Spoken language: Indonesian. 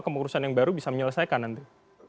kemurusan yang baru bisa menyelesaikan nanti